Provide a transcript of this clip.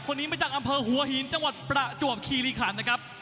คนนี้มาจากอำเภอหัวหินจังหวัดประจวบคีริขันนะครับ